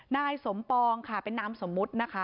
นายสมปองค่ะเป็นนามสมมุตินะคะ